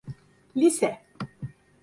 Lise…